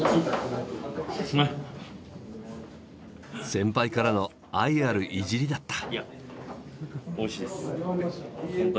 先輩からの愛あるいじりだった。